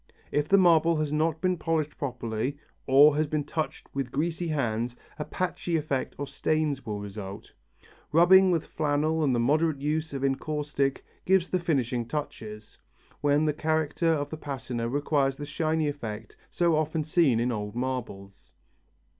If the marble has not been polished properly, or has been touched with greasy hands, a patchy effect or stains will result. Rubbing with flannel and the moderate use of encaustic, give the finishing touches, when the character of the patina requires the shiny effect so often seen in old marbles.